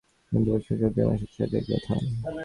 গত বৎসর চৈত্র মাসের ছয় তারিখের কথা।